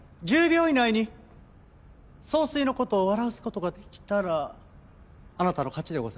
１０秒以内に総帥の事を笑わす事ができたらあなたの勝ちでございます。